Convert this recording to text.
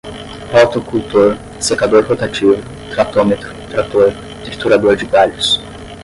rotocultor, secador rotativo, tratometro, trator, triturador de galhos